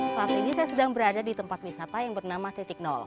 saat ini saya sedang berada di tempat wisata yang bernama